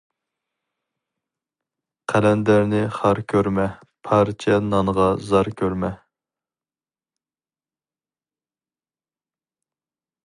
قەلەندەرنى خار كۆرمە، پارچە نانغا زار كۆرمە.